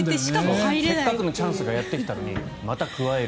せっかくのチャンスがやってきたのに、またくわえる。